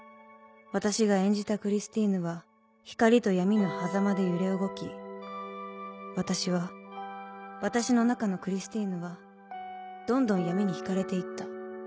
私が演じたクリスティーヌは光と闇のはざまで揺れ動き私は私の中のクリスティーヌはどんどん闇に引かれて行った。